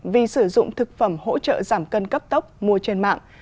vì sử dụng thực phẩm hỗ trợ giảm cân cấp tốc mua trên mạng